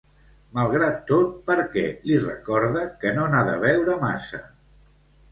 Malgrat tot, per què li recorda que no n'ha de beure massa?